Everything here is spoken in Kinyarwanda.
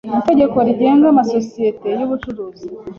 itegeko rigenga amasosiyete y ubucuruzi